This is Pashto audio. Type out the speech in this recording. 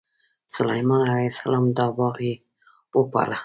سلیمان علیه السلام دا باغ یې وپاله.